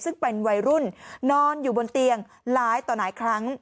ซึ่งเป็นวัยรุ่นนอนอยู่บนเตียงหลายต่อหลายครั้ง